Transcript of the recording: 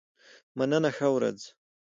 مننه ښه ورځ.